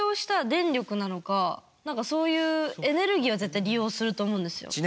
だから何かそういうエネルギーは絶対利用すると思うんですよ。